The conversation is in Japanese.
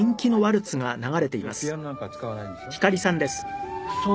ピアノなんかは使わないんでしょ作曲する時。